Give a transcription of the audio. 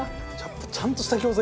ちゃんとした餃子